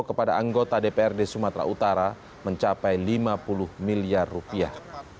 kepada anggota dprd sumatera utara mencapai lima puluh miliar rupiah